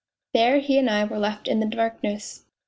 There he and I were left in the darkness.